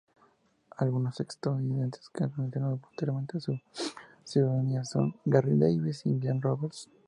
Algunos ex-estadounidenses que renunciaron voluntariamente a su ciudadanía son: Garry Davis y Glen Roberts.